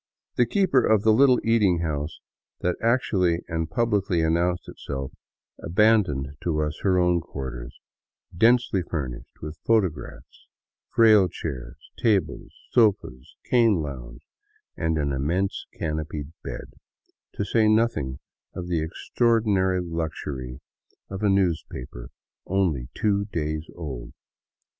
The keeper of the little eating house that actually and publicly announced itself, abandoned to us her own quarters, densely furnished with photographs, frail chairs, tables, sofas, cane lounge, and an immense canopied bed, to say nothing of the extraor dinary luxury of a newspaper only two days old.